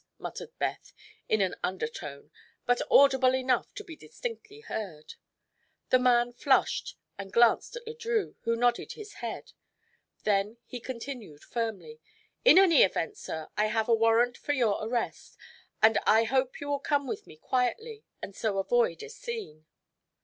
muttered Beth in an under tone but audible enough to be distinctly heard. The man flushed slightly and glanced at Le Drieux, who nodded his head. Then he continued firmly: "In any event, sir, I have a warrant for your arrest, and I hope you will come with me quietly and so avoid a scene."